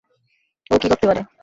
ও কী করতে পারে?